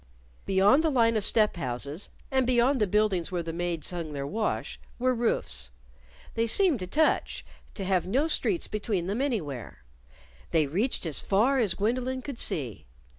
Beyond the line of step houses, and beyond the buildings where the maids hung their wash, were roofs. They seemed to touch, to have no streets between them anywhere. They reached as far as Gwendolyn could see.